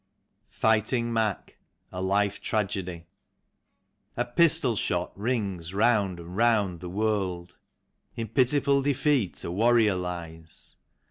66 "FIGHTING MAC." A Life Tragedy. A PISTOL shot rings round and round the world : In pitiful defeat a warrior lies.